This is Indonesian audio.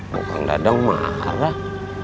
bukang dadang marah